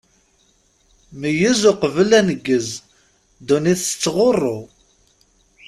Meyyez uqbel aneggez, ddunit tettɣuṛṛu!